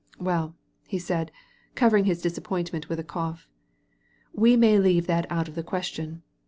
" Well," he said, covering his disappointment with a cough, " we may leave that out of the question.